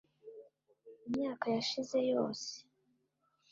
imyaka yashize yose